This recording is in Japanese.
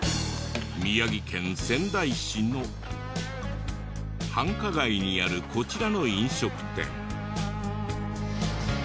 宮城県仙台市の繁華街にあるこちらの飲食店。